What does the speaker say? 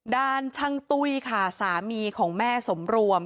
ด้านช่างตุ้ยค่ะสามีของแม่สมรวม